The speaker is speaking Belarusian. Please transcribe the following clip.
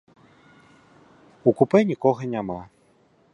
У купэ нікога няма.